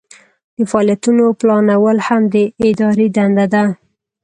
د فعالیتونو پلانول هم د ادارې دنده ده.